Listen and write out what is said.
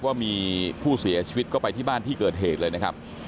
ว่ามีผู้เสียชีวิตก็ไปที่บ้านที่เกิดเหตุเลยนะครับ